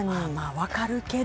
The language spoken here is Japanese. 分かるけど